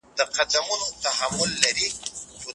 د بریا میوه یوازي د ډېر لایق کس په لاس نه راځي.